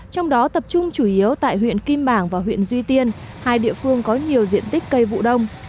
trong đó tập trung chủ yếu tại huyện kim bảng và huyện duy tiên hai địa phương có nhiều diện tích cây vụ đông